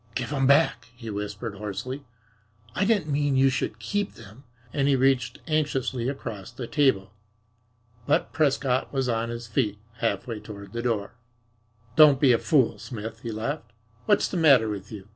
"Give 'em back," he whispered hoarsely. "I didn't mean you should keep them," and he reached anxiously across the table. But Prescott was on his feet, half way toward the door. "Don't be a fool, Smith," he laughed. "What's the matter with you?